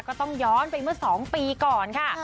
ก็ต้องย้อนไปเมื่อ๒ปีก่อนค่ะ